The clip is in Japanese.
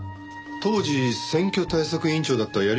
当時選挙対策委員長だった鑓